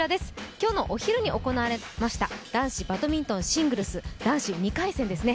今日のお昼に行われました男子バドミントンシングルス男子２回戦ですね。